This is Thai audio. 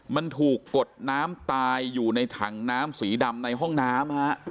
มันถูกกดน้ำตายอยู่ในถังน้ำสีดำในห้องน้ำ